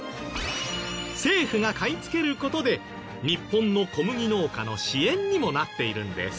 政府が買いつける事で日本の小麦農家の支援にもなっているんです。